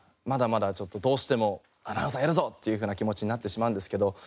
まだまだちょっとどうしても「アナウンサーやるぞ」っていうふうな気持ちになってしまうんですけど。